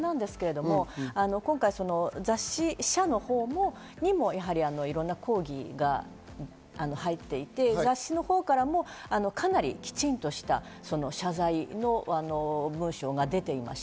これはタラレバなんですけど、今回、雑誌社のほうにもいろんな抗議が入っていて、雑誌のほうからもかなりきちんとした謝罪の文書が出ています。